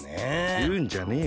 いうんじゃねえよ